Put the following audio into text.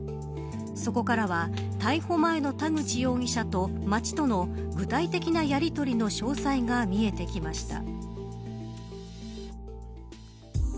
そこからは逮捕前の田口容疑者と町との具体的なやりとりの詳細が見えてきました。